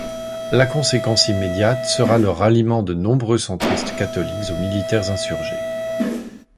La conséquence immédiate sera le ralliement de nombreux centristes catholiques aux militaires insurgés.